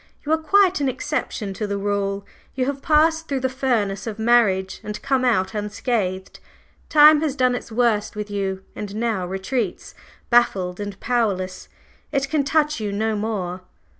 "You are quite an exception to the rule. You have passed through the furnace of marriage and come out unscathed. Time has done its worst with you, and now retreats, baffled and powerless; it can touch you no more!"